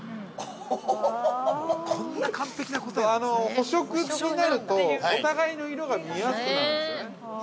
補色になると、お互いの色が見やすくなるんですよね。